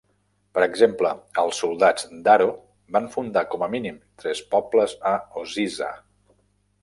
Per exemple, els soldats d'ARO va fundar com a mínim tres pobles a Ozizza.